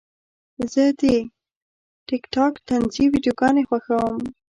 زه د ټک ټاک طنزي ویډیوګانې خوښوم.